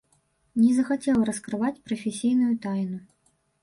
Не захацеў раскрываць прафесійную тайну.